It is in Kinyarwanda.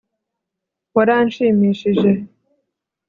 Waranshimishije